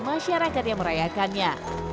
masyarakat yang merayakannya